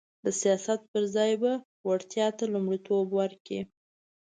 د سیاست پر ځای به وړتیا ته لومړیتوب ورکړي